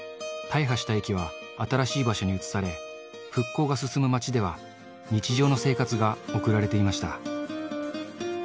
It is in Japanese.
大破した駅は新しい場所に移され、復興が進む町では日常の生活が送られていました。